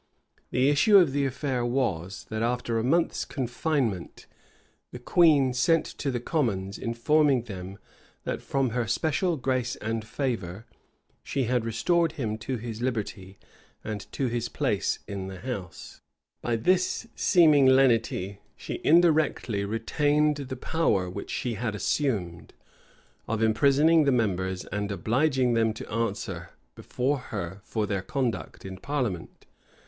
The issue of the affair was, that after a month's confinement, the queen sent to the commons, informing them, that, from her special grace and favor, she had restored him to his liberty and to his place in the house.[] * D'Ewes, p. 236, 237, etc. D'Ewes, p. 244. D'Ewes, p. 241. By this seeming lenity, she indirectly retained the power which she had assumed, of imprisoning the members and obliging them to answer before her for their conduct in parliament.